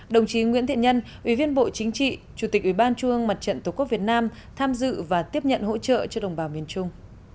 đồng chí nguyễn thiện nhân ủy viên bộ chính trị chủ tịch ủy ban trung ương mặt trận tổ quốc việt nam tham dự và tiếp nhận hỗ trợ cho đồng bào miền trung